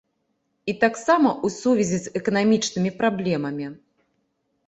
І таксама ў сувязі з эканамічнымі праблемамі.